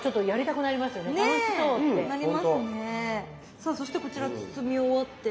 さあそしてこちら包み終わって。